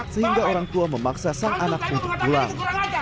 sehingga orang tua memaksa sang anak untuk pulang